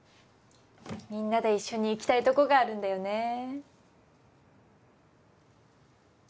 みんなで一緒に行きたいとこがあるんだよね